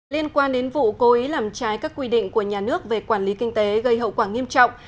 liên quan đến vụ cố ý làm trái các quy định của nhà nước về quản lý kinh tế gây hậu quả nghiêm trọng